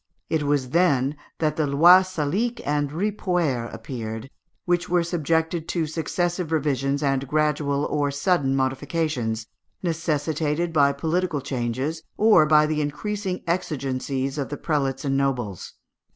It was then that the lois Salique and Ripuaire appeared, which were subjected to successive revisions and gradual or sudden modifications, necessitated by political changes or by the increasing exigencies of the prelates and nobles.